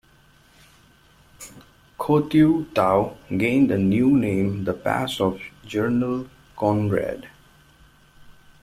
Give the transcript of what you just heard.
Khotyu-tau gained a new name - "The Pass of General Konrad".